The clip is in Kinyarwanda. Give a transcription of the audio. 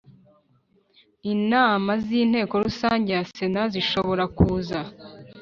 Inama z Inteko Rusange ya Sena zishobora kuza